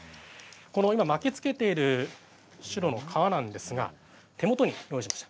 今、巻きつけているシュロの皮なんですが手元にご用意しました。